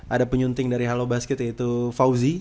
ada penyunting dari halo basket yaitu fauzi